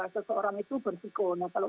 seseorang itu bersiko nah kalau